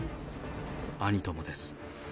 兄ともです。